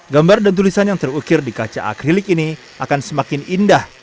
gambar dan tulisan yang terukir di kaca akrilik ini akan semakin indah